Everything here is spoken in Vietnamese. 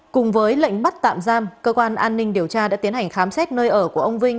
cùng với lệnh bắt tạm giam cơ quan an ninh điều tra đã tiến hành khám xét nơi ở của ông vinh